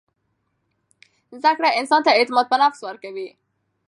زده کړه انسان ته اعتماد په نفس ورکوي.